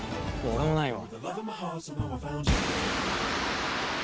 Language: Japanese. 俺もないわ。